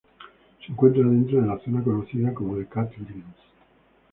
Se encuentra dentro de la zona conocida como The Catlins.